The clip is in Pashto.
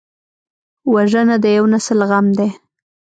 وژنه د یو نسل غم دی